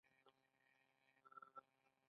حاضري د مامور مکلفیت دی